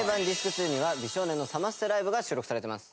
２には美少年のサマステライブが収録されてます。